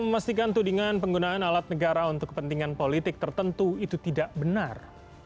memastikan tudingan penggunaan alat negara untuk kepentingan politik tertentu itu tidak benar